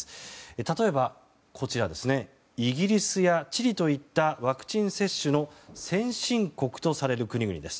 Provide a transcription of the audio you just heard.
例えば、イギリスやチリといったワクチン接種の先進国とされる国々です。